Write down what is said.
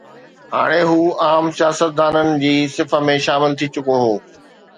هاڻي هو عام سياستدانن جي صف ۾ شامل ٿي چڪو هو.